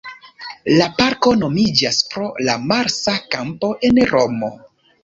La parko nomiĝas pro la Marsa Kampo en Romo.